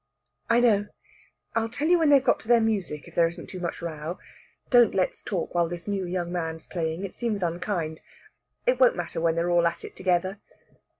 "I know; I'll tell you when they've got to their music, if there isn't too much row. Don't let's talk while this new young man's playing; it seems unkind. It won't matter when they're all at it together."